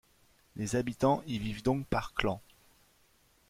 Les habitants y vivent donc par clan.